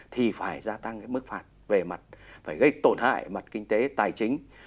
thì phải gia tăng cái mức phạt về mặt phải gây tổn hại mặt kinh tế tài chính